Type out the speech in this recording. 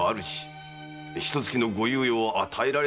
ひと月のご猶予を与えられたうえは。